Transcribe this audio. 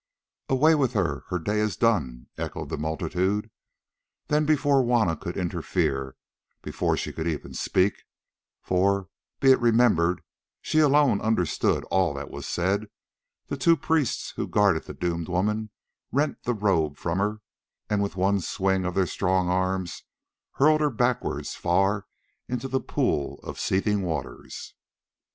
"Away with her, her day is done," echoed the multitude. Then, before Juanna could interfere, before she could even speak, for, be it remembered, she alone understood all that was said, the two priests who guarded the doomed woman rent the robe from her and with one swing of their strong arms hurled her backwards far into the pool of seething waters.